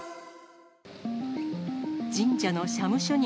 神社の社務所に。